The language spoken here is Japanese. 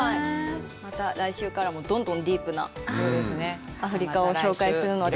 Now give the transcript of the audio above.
また来週からもどんどんディープなアフリカを紹介するので。